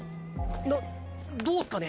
どどうっすかね？